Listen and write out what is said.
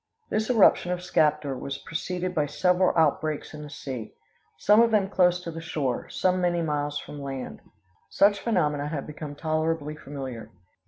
This eruption of Skaptar was preceded by several outbreaks in the sea; some of them close to the shore; some many miles from land. Such phenomena have become tolerably familiar.